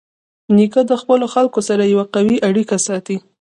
نیکه د خپلو خلکو سره یوه قوي اړیکه ساتي.